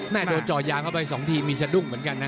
โดนเจาะยางเข้าไป๒ทีมีสะดุ้งเหมือนกันนะ